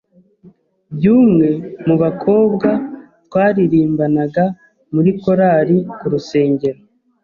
by’umwe mu bakobwa twaririmbanaga muri korali ku rusengero